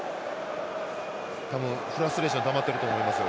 たぶんフラストレーションたまってると思いますよ